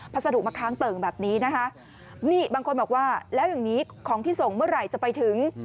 สะดุมาค้างเติ่งแบบนี้นะคะนี่บางคนบอกว่าแล้วอย่างนี้ของที่ส่งเมื่อไหร่จะไปถึง